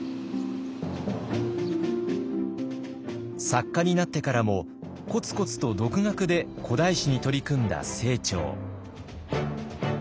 作家になってからもコツコツと独学で古代史に取り組んだ清張。